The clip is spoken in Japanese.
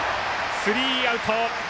スリーアウト。